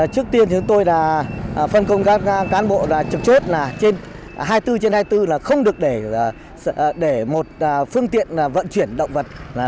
trước tiên chúng tôi là phân công các cán bộ trực chốt là trên hai mươi bốn trên hai mươi bốn là không được để một phương tiện vận chuyển động vật